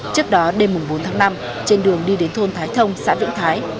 trước đó đêm bốn tháng năm trên đường đi đến thôn thái thông xã vĩnh thái